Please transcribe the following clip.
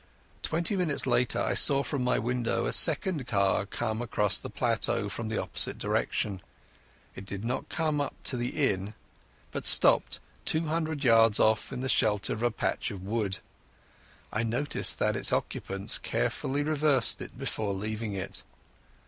Twenty minutes later I saw from my window a second car come across the plateau from the opposite direction. It did not come up to the inn, but stopped two hundred yards off in the shelter of a patch of wood. I noticed that its occupants carefully reversed it before leaving it.